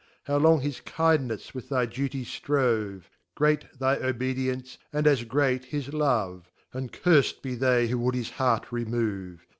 How long his Kindnefs with thy Duty drove ! Great thy Obedience, and as great his Love } Andcurft be they who would his Heart remove.